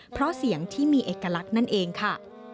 เพราะเสียงที่มีเอกลักษณ์นั่นเองค่ะ